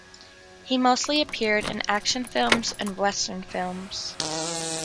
He mostly appeared in action films and western films.